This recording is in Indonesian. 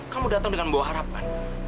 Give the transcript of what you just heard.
kamu datang dengan membawa harapan